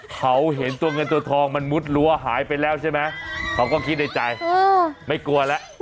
เขาเห็นตัวเงินตัวทองมันมุดรั้วหายไปแล้วใช่ไหมเขาก็คิดในใจไม่กลัวแล้ว